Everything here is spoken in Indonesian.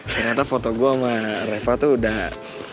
ternyata foto gue sama reva tuh udah